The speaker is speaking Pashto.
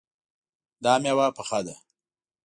دا میوه پخه ده